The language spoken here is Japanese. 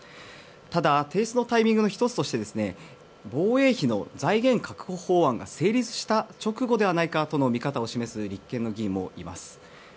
ただ提出のタイミングの１つとして防衛費の財源確保法案が成立した直後ではないかとそういう見方を示す立憲の議員もいます。